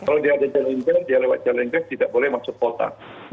kalau dia ada jalan gers dia lewat jalan gas tidak boleh masuk kota